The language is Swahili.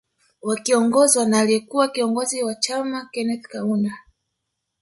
Wakiongozwa na aliye kuwa kiongozi wa chama Keneth Kaunda